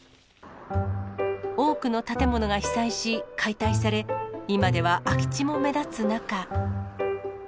多くの建物が被災し、解体され、今では空地も目立つ中。